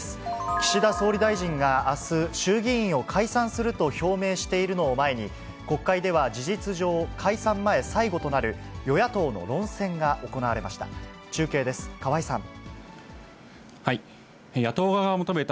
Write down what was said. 岸田総理大臣があす、衆議院を解散すると表明しているのを前に、国会では事実上、解散前、最後となる与野党の論戦が行われました。